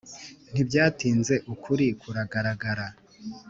ntibyatinze ukuri kuragaragara,